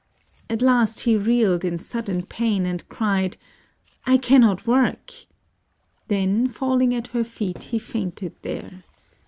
At last he reeled in sudden pain and cried, "I cannot work "; then falling at her feet he fainted there.